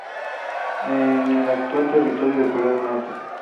En el actual territorio de Corea del Norte.